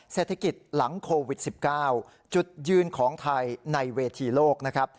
เศรษฐกิจหลังโควิด๑๙จุดยืนของไทยในเวทีโลกนะครับ